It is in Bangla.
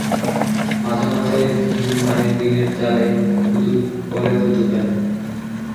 মাঝে-মাঝে টিল মারে টিনের চালে, থু-থু করে থুথু ফেলে।